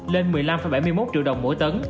lên một mươi năm bảy mươi một triệu đồng mỗi tấn